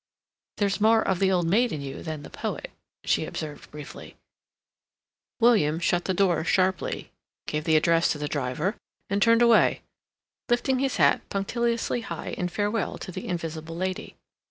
"There's more of the old maid in you than the poet," she observed briefly. William shut the door sharply, gave the address to the driver, and turned away, lifting his hat punctiliously high in farewell to the invisible lady.